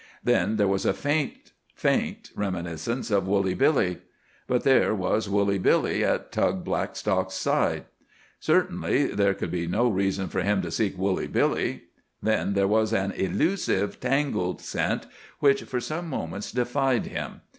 Then, there was a faint, faint reminiscence of Woolly Billy. But there was Woolly Billy, at Tug Blackstock's side. Certainly, there could be no reason for him to seek Woolly Billy. Then there was an elusive, tangled scent, which for some moments defied him.